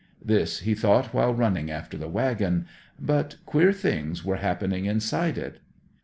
This he thought while running after the waggon. But queer things were happening inside it.